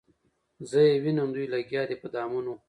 زه یې وینم دوی لګیا دي په دامونو